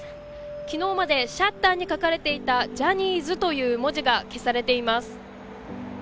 昨日までシャッターに書かれていたジャニーズという文字が消されています。